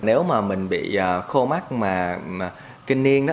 nếu mà mình bị khô mắt mà kinh niên